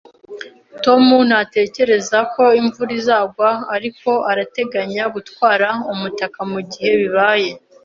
Tom ntatekereza ko imvura izagwa, ariko arateganya gutwara umutaka mugihe bibaye